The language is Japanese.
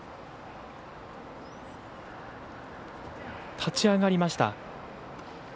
立ち上がりました。